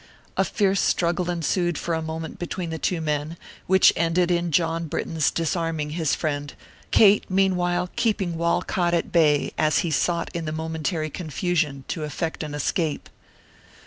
A fierce struggle ensued for a moment between the two men, which ended in John Britton's disarming his friend, Kate meanwhile keeping Walcott at bay as he sought in the momentary confusion to effect an escape.